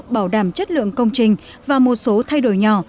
bảo đảm chất lượng công trình và một số thay đổi nhỏ